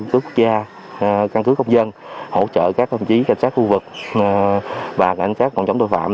hỗ trợ quốc gia căn cứ công dân hỗ trợ các công chí cảnh sát khu vực và cảnh sát cộng chống tội phạm